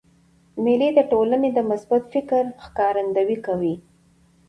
مېلې د ټولني د مثبت فکر ښکارندویي کوي.